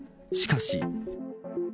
しかし。